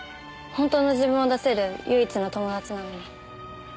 本当の自分を出せる唯一の友達なのに。